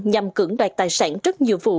nhằm cưỡng đoạt tài sản rất nhiều vụ